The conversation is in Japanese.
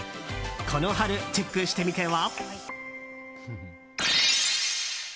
この春、チェックしてみては？